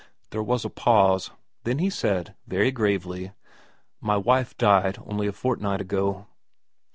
There was a pause. Then he said, very gravely, * My wife died only a fortnight ago.'